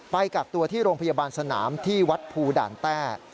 กักตัวที่โรงพยาบาลสนามที่วัดภูด่านแต้